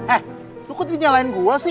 eh lo kok ngenyalain gue sih